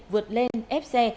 vượt lên ép xe